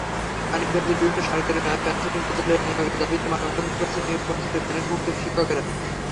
মানিকগঞ্জের বিভিন্ন সরকারি প্রাথমিক বিদ্যালয়ে নিয়োগের দাবিতে মানববন্ধন করেছেন নিয়োগবঞ্চিত প্যানেলভুক্ত শিক্ষকেরা।